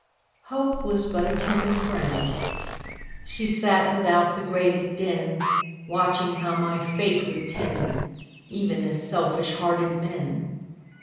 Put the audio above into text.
Hope Was but a timid friend; She sat without the grated den, Watching how my fate would tend, Even as selfish hearted men.